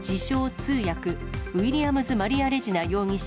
通訳、ウィリアムズ・マリア・レジナ容疑者